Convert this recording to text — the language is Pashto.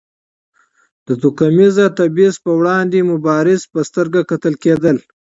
د توکمیز تبیض پر وړاندې مبارز په سترګه کتل کېدل.